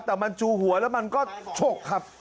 แต่มันจูหัวแล้วมันก็ฉกครับ